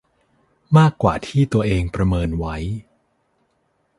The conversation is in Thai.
มากกว่าที่ตัวเองประเมินไว้